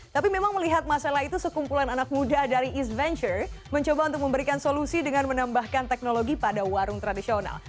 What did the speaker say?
tapi memang melihat masalah itu sekumpulan anak muda dari east venture mencoba untuk memberikan solusi dengan menambahkan teknologi pada warung tradisional